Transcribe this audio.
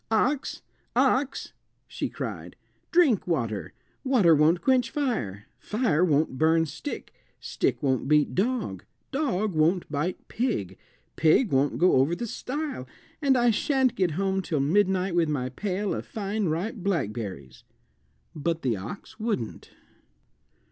"Ox, ox," she cried, "drink water; water won't quench fire, fire won't burn stick, stick won't beat dog, dog won't bite pig, pig won't go over the stile, and I shan't get home till midnight with my pail of fine ripe blackberries." But the ox wouldn't.